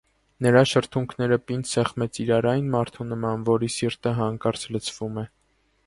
Նա շրթունքները պինդ սեղմեց իրար այն մարդու նման, որի սիրտը հանկարծ լցվում է: